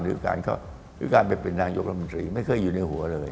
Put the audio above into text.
หรือการไปเป็นนายกรัฐมนตรีไม่เคยอยู่ในหัวเลย